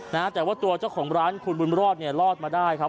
นะฮะแต่ว่าตัวเจ้าของร้านคุณบุญรอดเนี่ยรอดมาได้ครับ